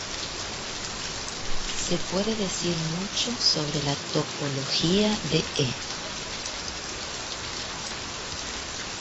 Se puede decir mucho sobre la topología de "E".